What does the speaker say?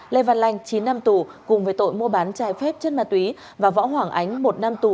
lê văn lanh chín năm tù cùng với tội mua bán trái phép chất ma túy và võ hoàng ánh một năm tù